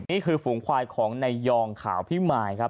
นี่คือฝูงควายของในยองข่าวพี่หมายครับ